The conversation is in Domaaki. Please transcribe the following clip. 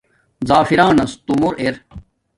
زَفرانس تُومُور ار